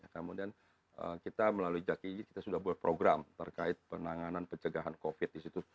kemudian kita melalui jakiji kita sudah buat program terkait penanganan pencegahan covid di situ